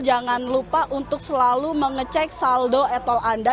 jangan lupa untuk selalu mengecek saldo etol anda